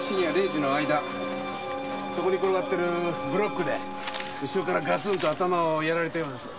そこに転がっているブロックで後ろからガツンと頭をやられたようです。